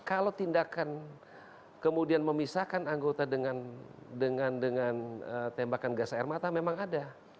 kalau tindakan kemudian memisahkan anggota dengan tembakan gas air mata memang ada